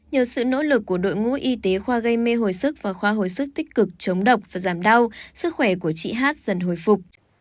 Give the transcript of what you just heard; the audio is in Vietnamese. nhờ sự nỗ lực của đội ngũ y tế khoa gây mê hồi sức và khoa hồi sức tích cực chống độc và giảm đau sức khỏe của chị hát dần hồi phục